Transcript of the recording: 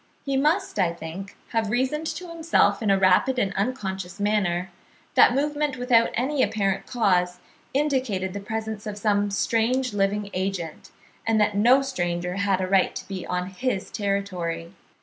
He must, I think, have reasoned to himself in a rapid and unconscious manner, that movement without any apparent cause indicated the presence of some strange living agent, and that no stranger had a right to be on his territory.